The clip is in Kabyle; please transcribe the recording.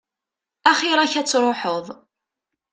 Axir-k ad tṛuḥeḍ.